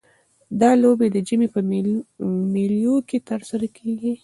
دا لوبې د ژمي په میلوں کې ترسره کیږي